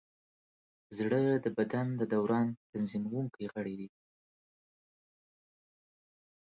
زړه د بدن د دوران تنظیمونکی غړی دی.